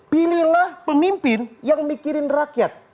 pilihlah pemimpin yang mikirin rakyat